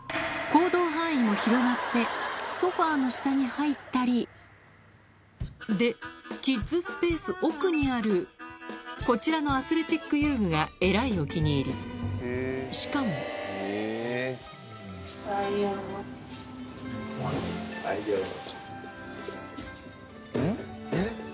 行動範囲も広がってソファの下に入ったりでキッズスペース奥にあるこちらのアスレチック遊具がえらいお気に入りしかもえっ？